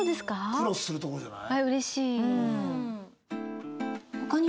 クロスするとこじゃない？